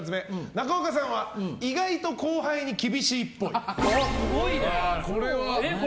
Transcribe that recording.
中岡さんは意外と後輩に厳しいっぽい。